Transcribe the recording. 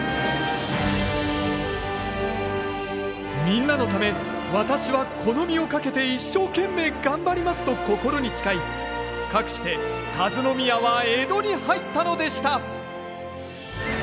「みんなのため私はこの身をかけて一生懸命頑張ります」と心に誓いかくして和宮は江戸に入ったのでした。